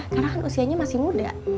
karena kan usianya masih muda